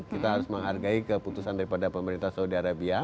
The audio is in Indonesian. kita harus menghargai keputusan daripada pemerintah saudi arabia